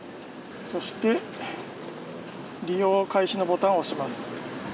そして利用開始のボタンを押します。